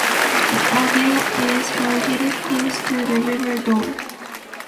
The abbey is located close to the River Dore.